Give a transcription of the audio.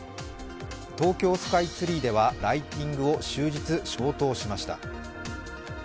東京スカイツリーではライティングを終日消灯しました。